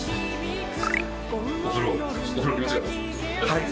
はい。